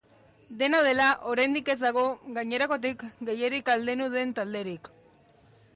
Dena dela, oraindik ez dago gainerakoetatik gehiegi aldendu den talderik.